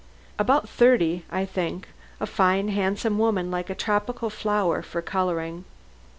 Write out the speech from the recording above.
"About thirty, I think; a fine, handsome woman like a tropical flower for coloring."